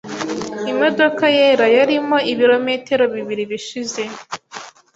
Imodoka yera yarimo ibirometero bibiri bishize.